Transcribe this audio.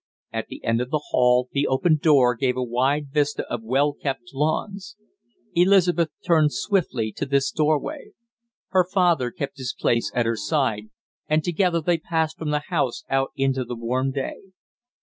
At the end of the hail the open door gave a wide vista of well kept lawns. Elizabeth turned swiftly to this doorway. Her father kept his place at her side, and together they passed from the house out into the warm day.